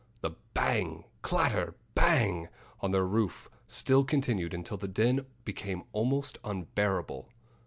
The bang, clatter, bang on their roof still continued until the din became almost unbearable.